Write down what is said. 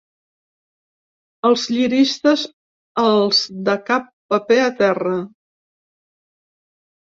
Els ‘lliristes’, els de cap paper a terra.